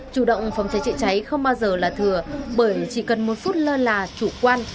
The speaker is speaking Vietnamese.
chủ động phòng cháy chữa cháy không bao giờ là thừa bởi chỉ cần một phút lơ là chủ quan